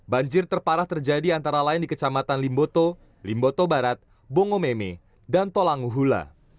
banjir terparah terjadi antara lain di kecamatan limboto limboto barat bongomeme dan tolanguhula